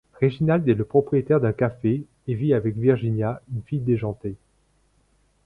Réginald est le propriétaire d'un café et vit avec Virginia, une fille déjantée.